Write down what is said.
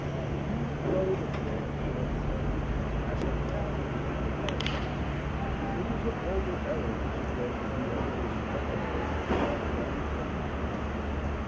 If you would know the flavor of huckleberries, ask the cow boy or the partridge. It is a vulgar error to suppose that you have tasted huckleberries who never plucked them.